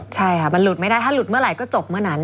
ใช่ค่ะมันหลุดไม่ได้ถ้าหลุดเมื่อไหร่ก็จบเมื่อนั้น